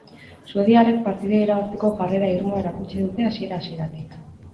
Suediarrek partida irabazteko jarrera irmoa erakutsi dute hasiera-hasieratik.